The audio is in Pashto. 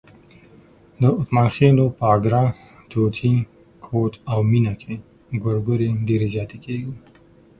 د اتمانخېلو په اګره، ټوټی، کوټ او مېنه کې ګورګورې ډېرې زیاتې کېږي.